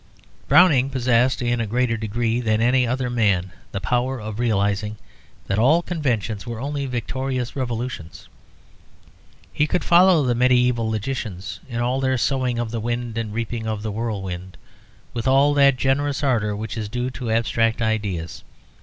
Browning possessed in a greater degree than any other man the power of realising that all conventions were only victorious revolutions. He could follow the mediæval logicians in all their sowing of the wind and reaping of the whirlwind with all that generous ardour which is due to abstract ideas.